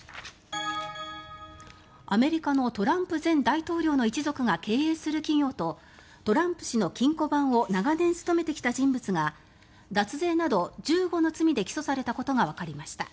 アメリカのトランプ前大統領の一族が経営する企業とトランプ氏の金庫番を長年務めてきた人物が脱税など１５の罪で起訴されたことがわかりました。